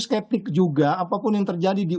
skeptik juga apapun yang terjadi di